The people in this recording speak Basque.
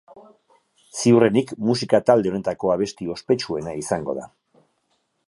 Ziurrenik musika talde honetako abesti ospetsuena izango da.